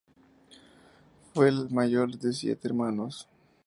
Fue el mayor de siete hermanos.